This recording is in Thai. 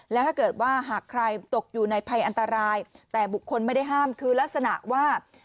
แล้วถ้าเกิดว่าหากใครตกอยู่ในภัยอันตรายแต่บุคคลไม่ได้ห้ามคือลักษณะว่า